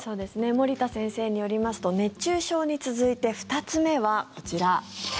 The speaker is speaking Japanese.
森田先生によりますと熱中症に続いて２つ目はこちら。